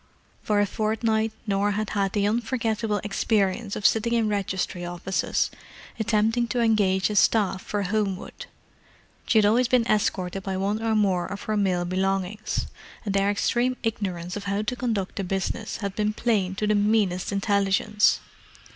For a fortnight Norah had had the unforgettable experience of sitting in registry offices, attempting to engage a staff for Homewood. She had always been escorted by one or more of her male belongings, and their extreme ignorance of how to conduct the business had been plain to the meanest intelligence.